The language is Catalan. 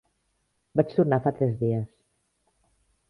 Vaig tornar fa tres dies.